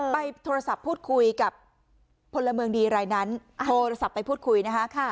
ไปโทรศัพท์พูดคุยกับพลเมืองดีรายนั้นโทรศัพท์ไปพูดคุยนะคะ